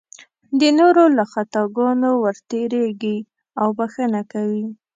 د نورو له خطاګانو ورتېرېږي او بښنه کوي.